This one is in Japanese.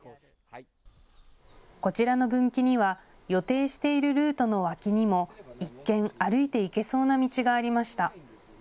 こちらの分岐には予定しているルートの脇にも一見、歩いて行けそうな道がありました。